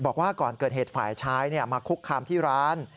บอกว่าก่อนเกิดเหตุฝ่ายชายมาคุกคามที่ร้าน